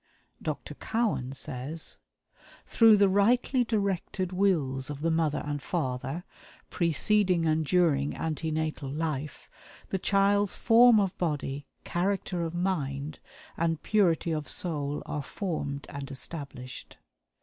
Dr. Cowan says: "Through the rightly directed wills of the mother and father, preceding and during ante natal life, the child's form of body, character of mind, and purity of soul are formed and established.